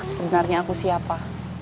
sebenarnya aku siapa